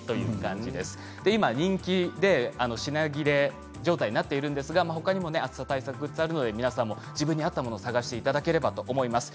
今、人気で品切れ状態になっているんですが、ほかにも暑さ対策グッズがありますので皆さんも自分に合ったものを探していただければと思います。